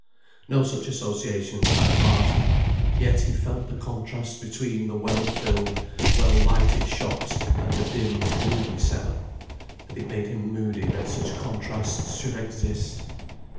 No such associations had Barton; yet he felt the contrast between the well filled, well lighted shops and the dim gloomy cellar, and it made him moody that such contrasts should exist.